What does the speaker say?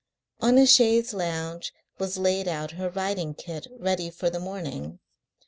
On a chaise longue was laid out her riding kit ready for the morning.